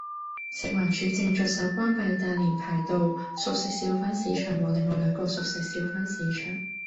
食環署正着手關閉大連排道熟食小販市場和另外兩個熟食小販市場